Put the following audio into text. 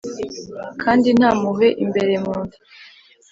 Kandi ntampuhwe imbere mu nda,